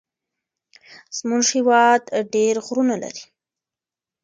زمونږ هيواد ډير غرونه لري.